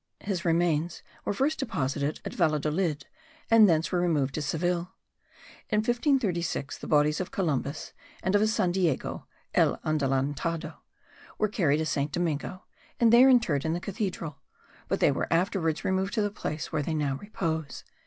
His remains were first deposited at Valladolid and thence were removed to Seville. In 1536 the bodies of Columbus and of his son Diego (El Adelantado) were carried to St. Domingo and there interred in the cathedral; but they were afterwards removed to the place where they now repose.)